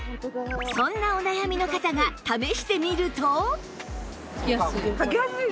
そんなお悩みの方が試してみると